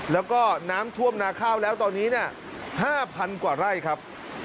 แล้วก็น้ำท่วมนาข้าวแล้วตอนนี้๕๐๐๐กว่าไร่ครับ